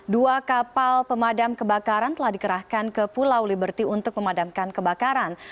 dua kapal pemadam kebakaran telah dikerahkan ke pulau liberti untuk memadamkan kebakaran